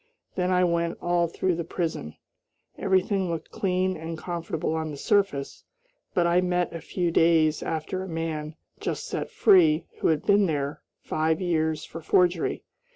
Then I went all through the prison. Everything looked clean and comfortable on the surface, but I met a few days after a man, just set free, who had been there five years for forgery.